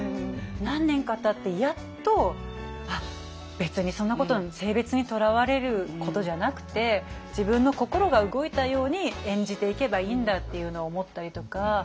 何年かたってやっとあっ別にそんなこと性別にとらわれることじゃなくて自分の心が動いたように演じていけばいいんだっていうのを思ったりとか。